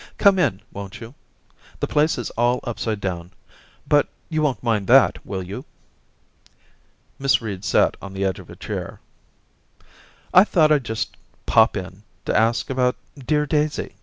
Come in, won't you? The place is all upside Daisy 22^ down, but you won't mind that, will you?' Miss Reed sat on the edge of a chair. * I thought I'd just pop in to ask about dear Daisy.